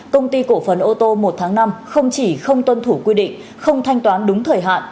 công ty cổ phần ô tô một tháng năm không chỉ không tuân thủ quy định không thanh toán đúng thời hạn